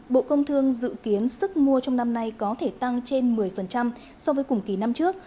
bộ công thương dự kiến sức mua trong năm nay có thể tăng trên một mươi so với cùng kỳ năm trước